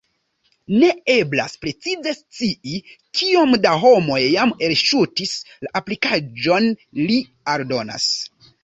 Ne eblas precize scii, kiom da homoj jam elŝutis la aplikaĵon, li aldonas.